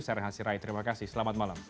serhasi rai terima kasih selamat malam